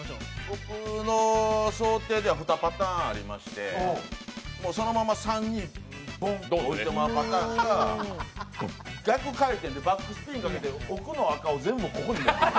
僕の想定では２パターンありまして、そのまま３にボンと置いてまうパターンか逆回転でバックスピンかけて奥の赤を全部ここに持ってくる。